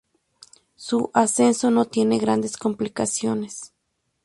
Su ascenso no tiene grandes complicaciones.